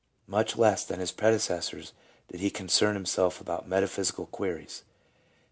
Much less than his predecessors did he concern himself about metaphysical queries.